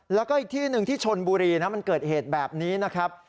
แล้วก็อีกที่หนึ่งที่ชนบุรีนะมันเกิดเหตุแบบนี้นะครับ